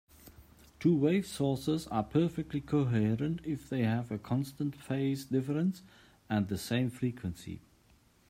Two-wave sources are perfectly coherent if they have a constant phase difference and the same frequency.